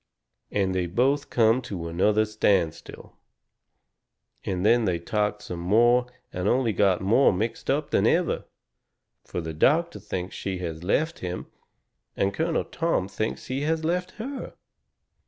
And they both come to another standstill. And then they talked some more and only got more mixed up than ever. Fur the doctor thinks she has left him, and Colonel Tom thinks he has left her.